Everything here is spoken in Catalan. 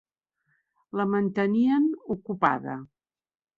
La mantenien ocupada.